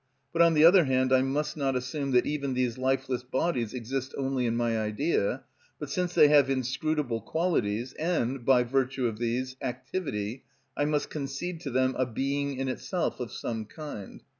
But, on the other hand, I must not assume that even these lifeless bodies exist only in my idea, but, since they have inscrutable qualities, and, by virtue of these, activity, I must concede to them a being in itself of some kind.